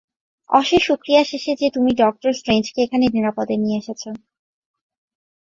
অশেষ শুকরিয়া যে তুমি ডক্টর স্ট্রেঞ্জকে এখানে নিরাপদে নিয়ে এসেছো।